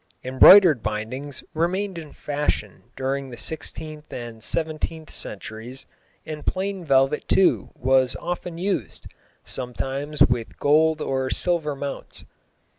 Embroidered bindings remained in fashion during the sixteenth and seventeenth centuries, and plain velvet, too, was often used, sometimes with gold or silver mounts.